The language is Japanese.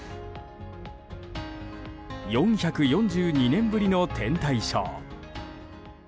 ４４２年ぶりの天体ショー。